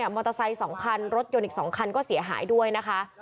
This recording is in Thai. มอเตอร์ไซค์๒คันรถยนต์อีก๒คันก็เสียหายด้วยนะคะ